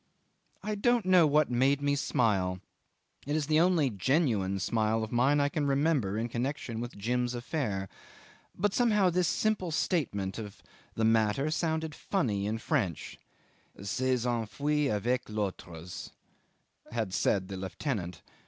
'I don't know what made me smile: it is the only genuine smile of mine I can remember in connection with Jim's affair. But somehow this simple statement of the matter sounded funny in French. ... "S'est enfui avec les autres," had said the lieutenant.